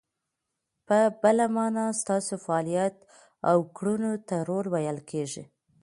په بله مانا، ستاسو فعالیت او کړنو ته رول ویل کیږي.